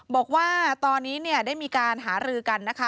บอกว่าตอนนี้ได้มีการหารือกันนะคะ